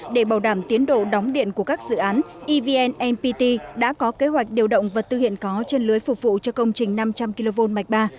để bảo đảm tiến độ đóng điện của các dự án evn npt đã có kế hoạch điều động vật tư hiện có trên lưới phục vụ cho công trình năm trăm linh kv mạch ba